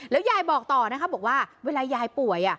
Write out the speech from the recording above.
ยายบอกต่อนะคะบอกว่าเวลายายป่วย